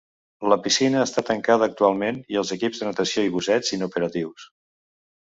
La piscina està tancada actualment, i els equips de natació i busseig inoperatius.